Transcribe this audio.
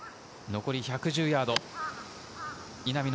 残り１１０ヤード。